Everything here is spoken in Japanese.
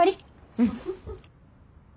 うん。